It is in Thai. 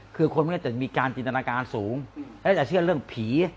คือคนมันก็จะมีการจินตนาการสูงและจะเชื่อเรื่องผี